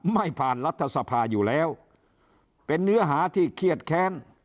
ไม่ผ่านรัฐสภาอยู่แล้วเป็นเนื้อหาที่เครียดแค้น